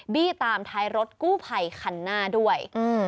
บี้ตามท้ายรถกู้ภัยคันหน้าด้วย